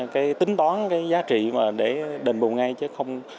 cái tính toán cái giá trị mà để đền bù ngay chứ không